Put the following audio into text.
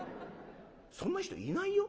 そんな人いないよ。